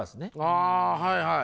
あはいはい。